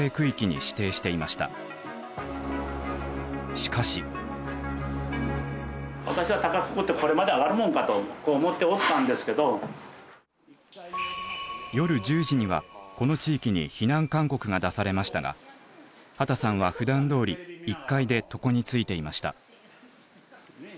しかし。夜１０時にはこの地域に避難勧告が出されましたが秦さんはふだんどおり１階で床についていました。